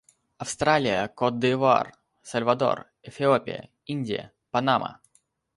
Австралия, Кот-д'Ивуар, Сальвадор, Эфиопия, Индия, Панама.